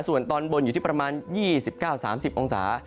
ส่วนตอนบนอยู่ที่ประมาณ๒๙๓๐องศา